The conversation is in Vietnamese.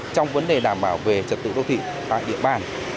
trong vấn đề đảm bảo về trật tự đô thị tại địa bàn